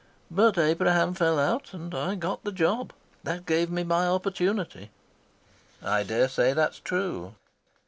But Abraham fell out, and I got the job. That gave me my opportunity." "I dare say that's true."